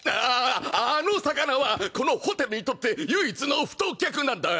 ああの魚はこのホテルにとって唯一の太客なんだ。